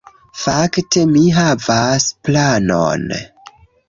Fakte, mi havas planon